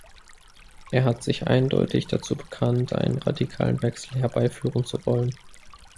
Er hat sich eindeutig dazu bekannt, einen radikalen Wechsel herbeiführen zu wollen.